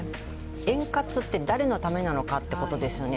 円滑って誰のためなのかということですよね